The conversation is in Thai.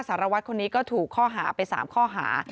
สารวัตรคนนี้ก็ถูกข้อหาไป๓ข้อหา